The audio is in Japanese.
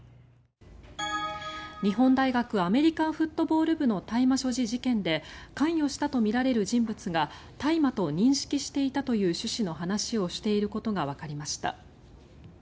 日本大学アメリカンフットボール部の大麻所持事件で関与したとみられる人物が大麻と認識していたという趣旨の話をしていることがわかりました。